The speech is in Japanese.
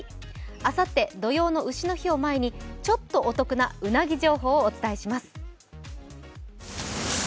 あさって土用の丑の日を前にちょっとお得なうなぎ状況をお伝えします。